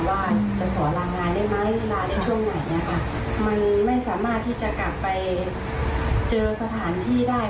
ว่าจะขอลางานได้ไหมเวลาในช่วงไหนเนี่ยค่ะมันไม่สามารถที่จะกลับไปเจอสถานที่ได้